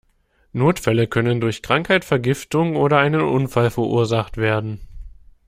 Notfälle können durch Krankheit, Vergiftung oder einen Unfall verursacht werden.